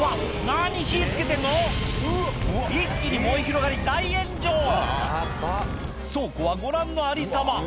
何火付けてんの⁉一気に燃え広がり大炎上倉庫はご覧のありさま